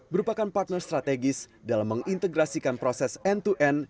merupakan partner strategis dalam mengintegrasikan proses end to end